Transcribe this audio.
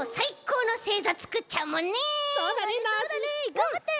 がんばって！